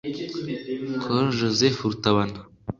Col Joseph Rutabana